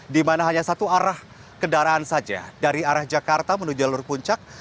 di mana hanya satu arah kendaraan saja dari arah jakarta menuju jalur puncak